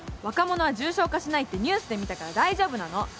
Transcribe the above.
若者は重症化しないってニュースで見たから大丈夫なの！